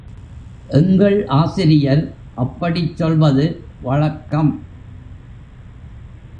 எங்கள் ஆசிரியர் அப்படிச் சொல்வது வழக்கம்.